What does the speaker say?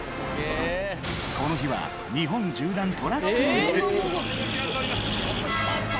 この日は日本縦断トラックレース！